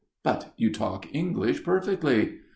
"But you talk English perfectly."